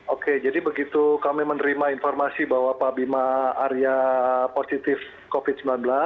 oke jadi begitu kami menerima informasi bahwa pak bima arya positif covid sembilan belas